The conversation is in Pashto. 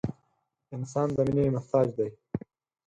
• انسان د مینې محتاج دی.